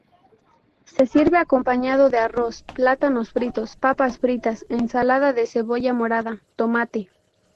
Se sirve acompañado de arroz, plátanos fritos, papas fritas, ensalada de cebolla morada, tomate.